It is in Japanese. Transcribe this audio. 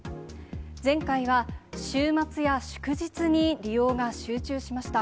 前回は週末や祝日に利用が集中しました。